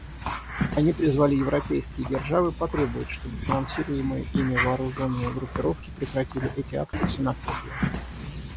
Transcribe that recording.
Они призвали европейские державы потребовать, чтобы финансируемые ими вооруженные группировки прекратили эти акты ксенофобии.